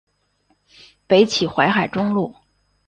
北起淮海中路。